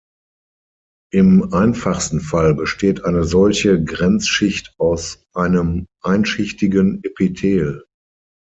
Im einfachsten Fall besteht eine solche Grenzschicht aus einem einschichtigen Epithel.